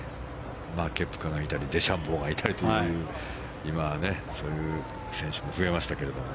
ケプカがいたりデシャンボーがいたりという今は、そういう選手も増えましたけれども。